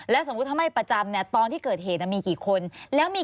สมมุติถ้าไม่ประจำเนี่ยตอนที่เกิดเหตุมีกี่คนแล้วมี